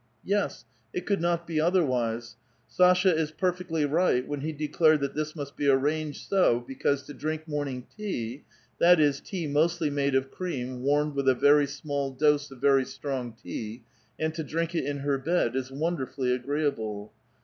Yes, it could not be otherwise ; Sasha is perfectly right when he declared that this must be arranged so because to drink morning tea, that is, tea mostly made of cream warmed with a very 'small dose of very strong: tea, and to drink it in her bed, is wonderfully agreeable.